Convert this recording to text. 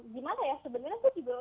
gimana ya sebenarnya itu